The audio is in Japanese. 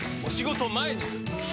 お仕事前に！